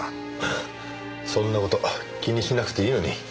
ハハそんな事気にしなくていいのに。